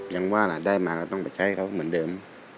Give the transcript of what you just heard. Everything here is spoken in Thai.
ยังว่าได้มาต้องไปใช้เหมือนเดิม